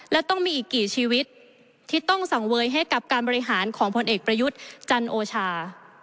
และต้องมีอีกกี่ชีวิตที่ต้องสังเวยให้กับการบริหารของพลเอกประยุทธ์จันโอชา